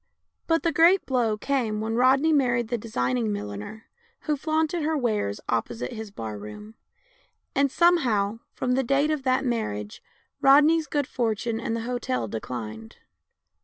But the great blow came when Rodney married the designing milliner who flaunted her wares opposite his bar room; and, somehow, from the date of that mar riage, Rodney's good fortune and the hotel declined.